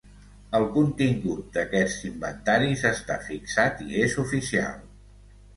El contingut d'aquests inventaris està fixat i és oficial.